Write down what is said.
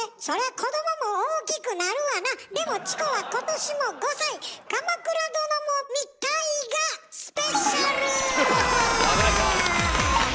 そりゃ子どもも大きくなるわなでもチコは今年も５さい鎌倉殿もみ大河スペシャル！！」。